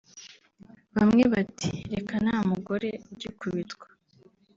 Bamwe bati reka nta mugore ugikubitwa